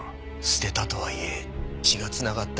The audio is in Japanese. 捨てたとはいえ血が繋がった娘だ。